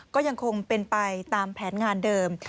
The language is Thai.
ก็ยังคงเป็นไปตามแผนงานเดิม